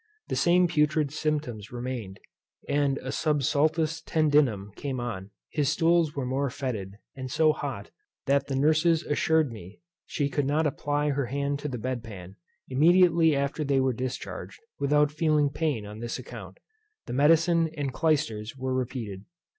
The same putrid symptoms remained, and a subsultus tendinum came on: his stools were more foetid; and so hot, that the nurse assured me she could not apply her hand to the bed pan, immediately after they were discharged, without feeling pain on this account: The medicine and clysters were repeated.